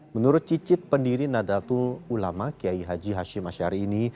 menurut cicit pendiri nadatul ulama kiai haji hashim asyari ini